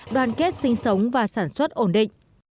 đoàn kết sinh sống và sản xuất ổn định